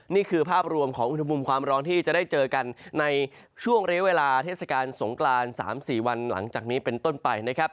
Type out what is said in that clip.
นี่คือภาพรวมของอุณหภูมิความร้อนที่จะได้เจอกันในช่วงเรียกเวลาเทศกาลสงกราน๓๔วันหลังจากนี้เป็นต้นไปนะครับ